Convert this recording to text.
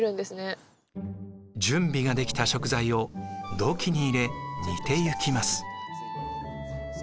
準備ができた食材を土器に入れ煮ていきます。